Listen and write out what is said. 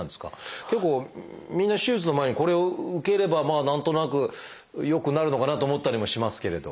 結構みんな手術の前にこれを受ければまあ何となく良くなるのかなと思ったりもしますけれど。